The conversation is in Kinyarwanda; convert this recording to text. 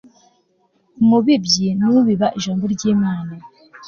umubibyi ni ubiba ijambo ry imana